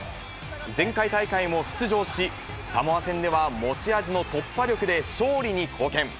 前回大会も出場し、サモア戦では、持ち味の突破力で勝利に貢献。